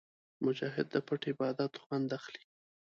مجاهد د پټ عبادت خوند اخلي.